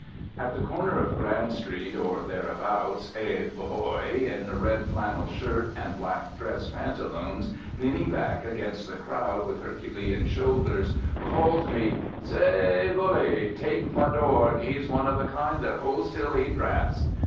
At the corner of Grand Street, or thereabouts, a "bhoy" in red flannel shirt and black dress pantaloons, leaning back against the crowd with Herculean shoulders, called me, "Saäy, bully! take my dorg! he's one of the kind that holds till he draps."